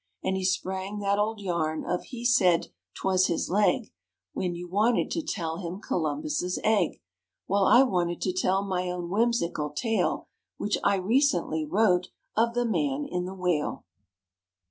And he sprang that old yarn of He Said 't was His Leg, When you wanted to tell him Columbus's Egg, While I wanted to tell my own whimsical tale (Which I recently wrote) of The Man in the Whale!